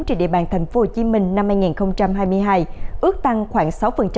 trên địa bàn tp hcm năm hai nghìn hai mươi hai ước tăng khoảng sáu